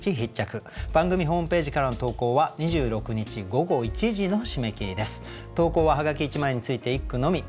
番組ホームページからの投稿は２６日午後１時の締め切りです。